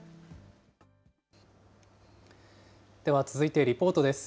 では続いてリポートです。